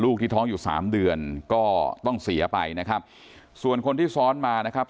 ที่ท้องอยู่สามเดือนก็ต้องเสียไปนะครับส่วนคนที่ซ้อนมานะครับ